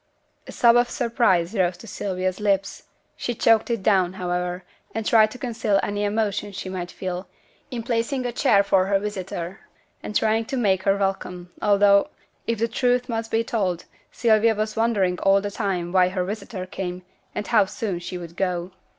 A sob of surprise rose to Sylvia's lips she choked it down, however, and tried to conceal any emotion she might feel, in placing a chair for her visitor, and trying to make her feel welcome, although, if the truth must be told, Sylvia was wondering all the time why her visitor came, and how soon she would go.